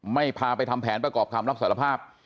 พาไปทำแผนประกอบคำรับสารภาพ